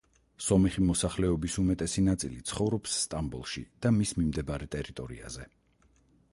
სომეხი მოსახლეობის უმეტესი ნაწილი ცხოვრობს სტამბოლში და მის მიმდებარე ტერიტორიაზე.